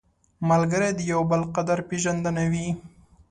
ملګری د یو بل قدر پېژندنه وي